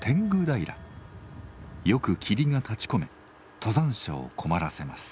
よく霧が立ちこめ登山者を困らせます。